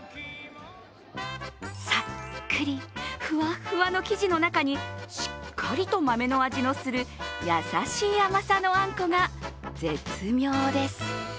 さっくり、ふわっふわの生地の中にしっかりと豆の味のする優しい甘さのあんこが絶妙です。